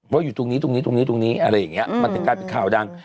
ว่าอยู่ตรงนี้อะไรอย่างนี้มันเป็นการเป็นข่าวดัง